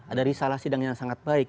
ada risalah sidang yang sangat baik